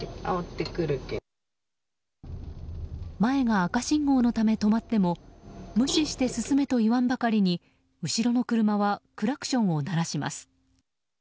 前が赤信号のため止まっても無視して進めと言わんばかりに後ろの車はクラクションを鳴らします。